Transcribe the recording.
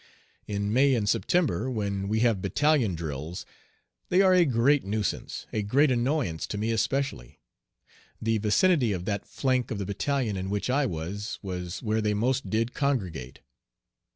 In May and September, when we have battalion drills, they are a great nuisance, a great annoyance to me especially. The vicinity of that flank of the battalion in which I was, was where they "most did congregate."